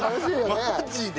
マジで。